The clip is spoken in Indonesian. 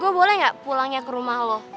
gue boleh gak pulangnya ke rumah lo